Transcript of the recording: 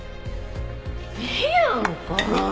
ええやんか！